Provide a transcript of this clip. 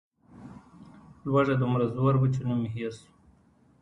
لوږه دومره زور وه چې نوم مې هېر شو.